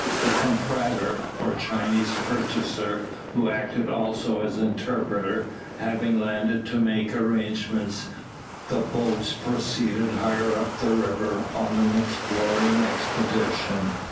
Their comprador, or Chinese purchaser, who acted also as interpreter, having landed to make arrangements, the boats proceeded higher up the river on an exploring expedition.